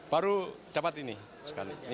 baru dapat ini sekali